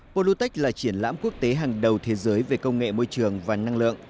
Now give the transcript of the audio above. polutech là triển lãm quốc tế hàng đầu thế giới về công nghệ môi trường và năng lượng